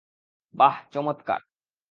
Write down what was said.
বাহ, চমৎকার।